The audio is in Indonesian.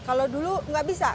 kalau dulu nggak bisa